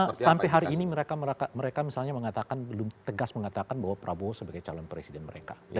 karena sampai hari ini mereka misalnya mengatakan belum tegas mengatakan bahwa prabowo sebagai calon presiden mereka